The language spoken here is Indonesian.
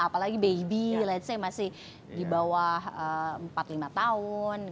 apalagi baby let s say masih di bawah empat lima tahun gitu